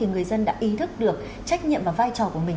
người dân đã ý thức được trách nhiệm và vai trò của mình